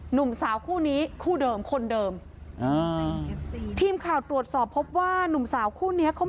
หนุ่มสาวคู่นี้คู่เดิมคนเดิมอ่าทีมข่าวตรวจสอบพบว่านุ่มสาวคู่เนี้ยเขา